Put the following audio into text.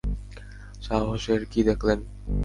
সাহস এর কী দেখলেন?